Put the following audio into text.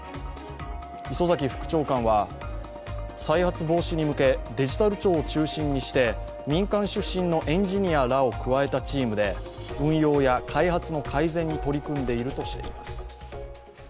磯崎副長官は再発防止に向けデジタル庁を中心にして民間出身のエンジニアらを加えたチームで運用や開発の改善に取り組んでいるとしています。